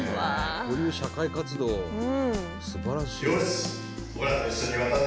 こういう社会活動すばらしい。